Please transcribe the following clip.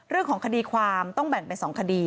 เรื่องของคดีความต้องแบ่งเป็น๒คดี